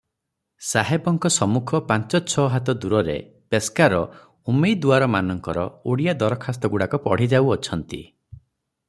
ସାହେବଙ୍କ ସମ୍ମୁଖ ପାଞ୍ଚ ଛ'ହାତ ଦୂରରେ ପେସ୍କାର ଉମେଦୁଆରମାନଙ୍କର ଓଡିଆ ଦରଖାସ୍ତ ଗୁଡ଼ାକ ପଢ଼ିଯାଉଅଛନ୍ତି ।